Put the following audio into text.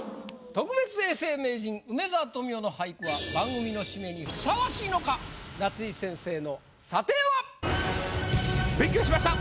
特別永世名人梅沢富美男の俳句は番組の締めにふさわしいのか⁉夏井先生の査定は⁉勉強しました！